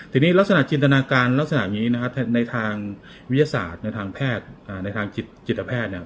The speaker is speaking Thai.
ทีนี้ลักษณะจินตนาการลักษณะอย่างนี้นะครับในทางวิทยาศาสตร์ในทางแพทย์ในทางจิตแพทย์เนี่ย